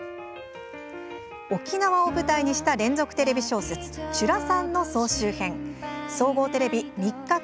沖縄を舞台にした連続テレビ小説「ちゅらさん」の総集編。